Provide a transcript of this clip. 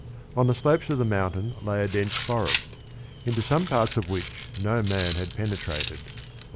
On the slopes of the mountain lay a dense forest, into some parts of which no man had penetrated (67).